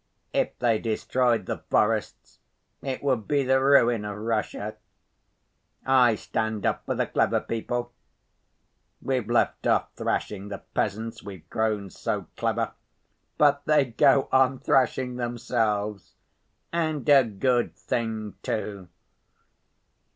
If they destroyed the forests, it would be the ruin of Russia. I stand up for the clever people. We've left off thrashing the peasants, we've grown so clever, but they go on thrashing themselves. And a good thing too.